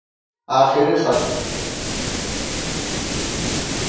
آخېری خط